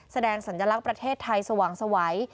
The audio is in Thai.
สัญลักษณ์ประเทศไทยสว่างสวัย